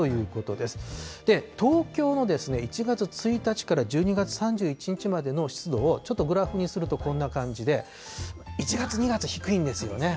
で、東京の１月１日から１２月３１日までの湿度をちょっとグラフにすると、こんな感じで、１月、２月、低いんですよね。